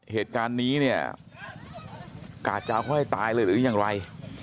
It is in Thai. เหตุการณ์นี้เนี่ยกะจะเอาค่อยตายเลยหรือยังไร